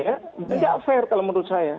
ini tidak adil kalau menurut saya